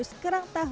umur satu rupiah